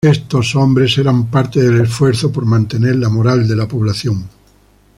Estos hombres eran parte del esfuerzo por mantener la moral de la población.